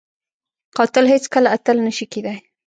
قاتل هیڅ کله اتل نه شي کېدای